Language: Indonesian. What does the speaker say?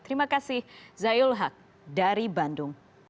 terima kasih zayul haq dari bandung